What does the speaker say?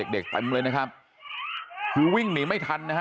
เด็กเต็มเลยนะครับคือวิ่งหนีไม่ทันนะฮะ